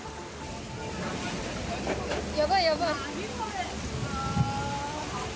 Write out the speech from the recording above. やばい、やばい。